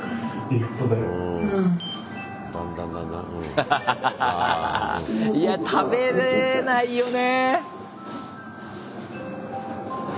ハハハいや食べれないよね！